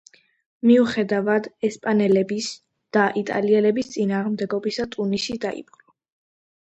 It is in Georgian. მიუხედავად ესპანელების და იტალიელების წინააღმდეგობისა ტუნისი დაიპყრო.